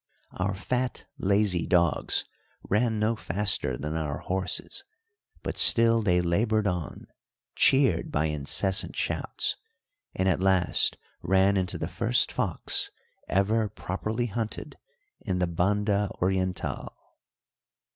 Our fat lazy dogs ran no faster than our horses, but still they laboured on, cheered by incessant shouts, and at last ran into the first fox ever properly hunted in the Banda Orientál.